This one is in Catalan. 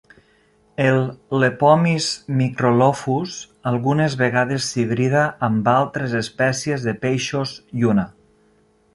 El lepomis microlophus algunes vegades s"hibrida amb altres espècies de peixos lluna.